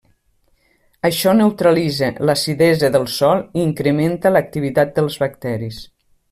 Això neutralitza l'acidesa del sòl i incrementa l'activitat dels bacteris.